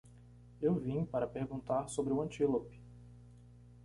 Eu vim para perguntar sobre o antílope.